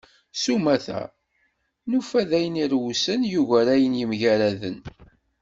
S umata, nufa-d ayen irewsen yugar ayen yemgaraden.